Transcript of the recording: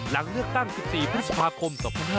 หลังเลือกตั้ง๑๔พฤษภาคม๒๕๕๙